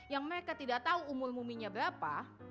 yang mereka tidak tahu umur muminya berapa